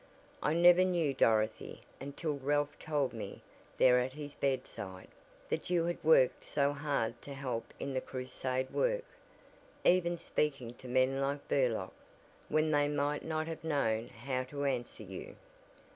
I never knew Dorothy, until Ralph told me there at his bedside, that you had worked so hard to help in the crusade work, even speaking to men like Burlock, when they might not have known how to answer you."